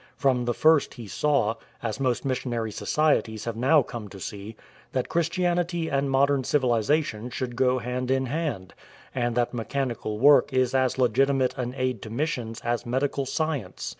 From the first he saw, as most missionary societies have now come to see, that Christianity and modern civilization should go hand in hand, and that mechanical work is as legitimate an aid to missions as medical science.